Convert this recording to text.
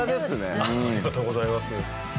ありがとうございます。